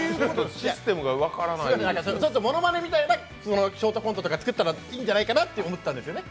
ものまねみたいなショートコントとか作ったらいいんじゃないかなって思ったんですよね。